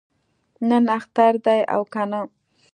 نن اختر دی او کنه؟